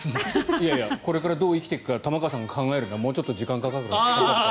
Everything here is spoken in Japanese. いやいや、これからどう生きていくか玉川さんが考えるならもうちょっと時間がかかるのかなと。